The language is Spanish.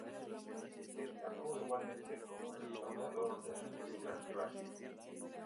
Destacó igualmente como restaurador de esculturas clásicas.